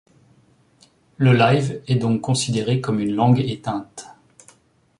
Le live est donc considéré comme une langue éteinte.